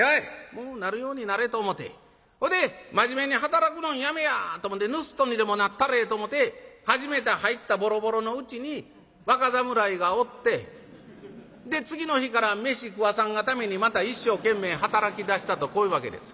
もうなるようになれと思てほいで真面目に働くのんやめやと思てぬすっとにでもなったれと思て初めて入ったボロボロのうちに若侍がおってで次の日から飯食わさんがためにまた一生懸命働きだしたとこういうわけです。